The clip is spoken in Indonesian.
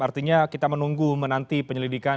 artinya kita menunggu menanti penyelidikan